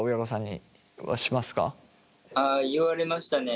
言われましたね。